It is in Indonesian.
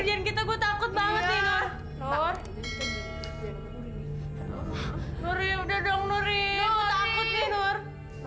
ia udah ngurih nih